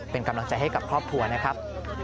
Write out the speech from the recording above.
เป็นกำลังใจให้กับครอบครัวนะครับ